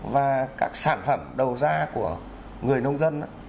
và các sản phẩm đầu ra của người nông dân